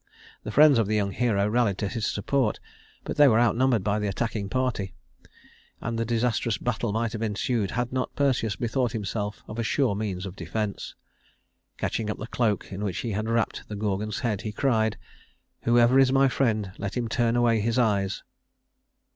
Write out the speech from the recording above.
The friends of the young hero rallied to his support, but they were outnumbered by the attacking party, and a disastrous battle might have ensued, had not Perseus bethought himself of a sure means of defense. Catching up the cloak in which he had wrapped the Gorgon's head, he cried: "Whoever is my friend, let him turn away his eyes."